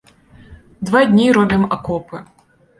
Два дні робім акопы.